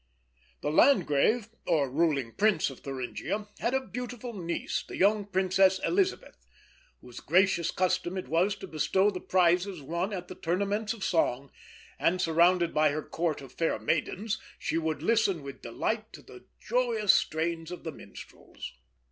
The Landgrave, or ruling Prince of Thuringia, had a beautiful niece, the young Princess Elisabeth, whose gracious custom it was to bestow the prizes won at the Tournaments of Song; and, surrounded by her Court of fair maidens, she would listen with delight to the joyous strains of the minstrels.